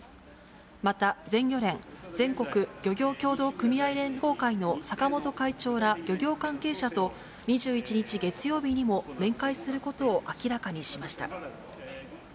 また全漁連・全国漁業協同組合連合会の坂本会長ら漁業関係者と２１日月曜日にも面会することを明らかにしました。